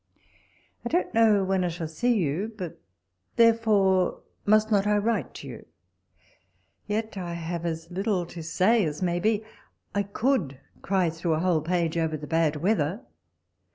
I don't know when I shall see you, but there fore must not I write to you l yet I have as little to say as may be. I could cry through a whole page over the bad weather.